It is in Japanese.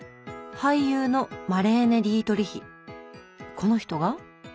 この人が？